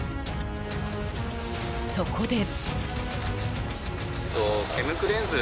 そこで。